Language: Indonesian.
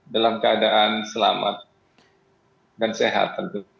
dalam keadaan selamat dan sehat